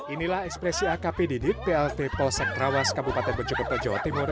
inilah ekspresi akp didit plt polsek trawas kabupaten bojokerto jawa timur